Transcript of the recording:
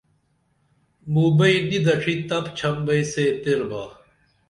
موں بئیں نی دڇھی تپ چھم بئی سے تیر با